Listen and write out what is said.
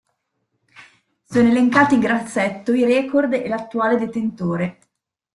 Sono elencati in grassetto i record e l'attuale detentore.